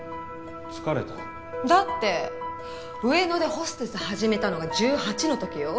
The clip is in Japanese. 疲れた？だって上野でホステス始めたのが１８の時よ？